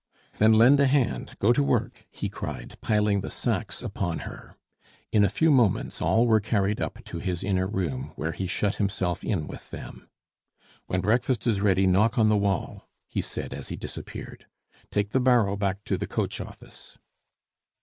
"Then lend a hand! go to work!" he cried, piling the sacks upon her. In a few moments all were carried up to his inner room, where he shut himself in with them. "When breakfast is ready, knock on the wall," he said as he disappeared. "Take the barrow back to the coach office."